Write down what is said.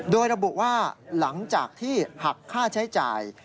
โดยระบุว่าหลังจากที่หักค่าใช้จ่าย